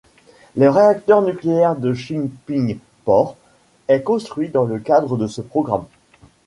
Le réacteur nucléaire de Shippingport est construit dans le cadre de ce programme.